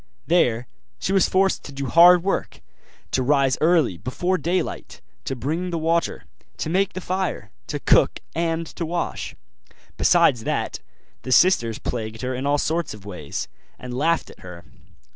There she was forced to do hard work; to rise early before daylight, to bring the water, to make the fire, to cook and to wash. Besides that, the sisters plagued her in all sorts of ways, and laughed at her.